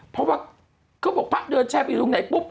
เพราะว่าเขาก็พักเดือนชัยไปตรงไหนปุ๊บ